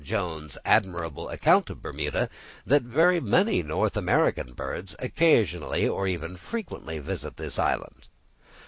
Jones's admirable account of Bermuda, that very many North American birds occasionally or even frequently visit this island.